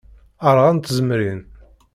Ṛɣant tzemrin.